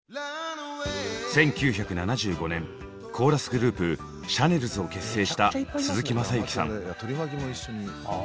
１９７５年コーラスグループ「シャネルズ」を結成した鈴木雅之さん。